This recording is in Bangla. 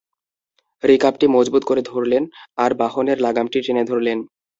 রিকাবটি মজবুত করে ধরলেন আর বাহনের লাগামটি টেনে ধরলেন।